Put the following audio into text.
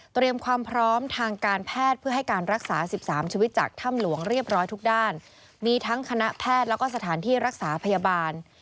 ความพร้อมทางการแพทย์เพื่อให้การรักษาสิบสามชีวิตจากถ้ำหลวงเรียบร้อยทุกด้านมีทั้งคณะแพทย์แล้วก็สถานที่รักษาพยาบาล